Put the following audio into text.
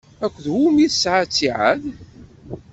Akked wumi i yesɛa ttiɛad?